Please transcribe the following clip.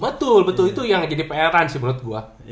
betul betul itu yang jadi pr rans sih menurut gua